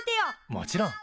もちろん。